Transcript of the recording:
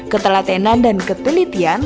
ketelatenan dan ketelitian lebih penting